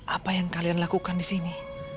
apa yang kalian lakukan di sini